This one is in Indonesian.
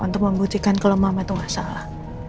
untuk membuktikan kalau mama itu gak salah